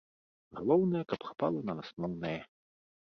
Галоўнае, каб хапала на асноўнае.